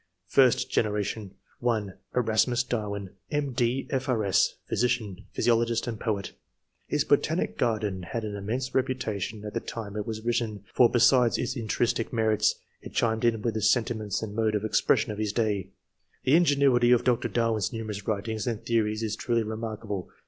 First generation. — (1) Erasmus Darwin, M.D., F.K.S., physician, physiologist and poet. His " Botanic Garden " had an immense reputation at the time it was written ; for, besides its intrinsic merits, it chimed in with the sentiments and mode of expression of his day. The ingenuitj^ of Dr. Darwin's numerous writings and theories is truly remarkable.